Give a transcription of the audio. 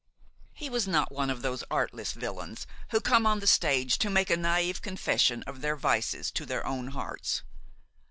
He was not one of those artless villains who come on the stage to make a naïve confession of their vices to their own hearts.